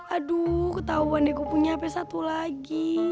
aduh ketahuan deh gue punya hape satu lagi